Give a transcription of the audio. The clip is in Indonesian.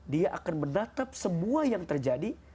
dia akan menatap semua yang terjadi